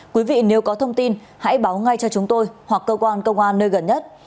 quý vị nếu có thông tin hãy báo ngay cho chúng tôi hoặc cơ quan công an nơi gần nhất